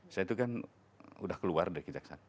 saya itu kan udah keluar dari kejaksaan